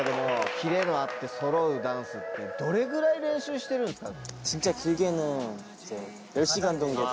キレのあってそろうダンスってどれぐらい練習してるんですか？